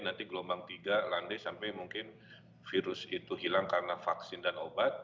nanti gelombang tiga landai sampai mungkin virus itu hilang karena vaksin dan obat